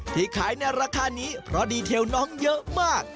ที่ขายในราคานี้เพราะดีเทลน้องเยอะมาก